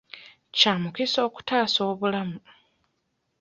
Kya mukisa okutaasa obulamu.